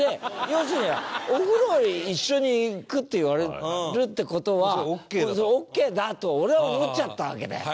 要するに「お風呂へ一緒に行く？」って言われるって事はオーケーだと俺は思っちゃったわけだよ。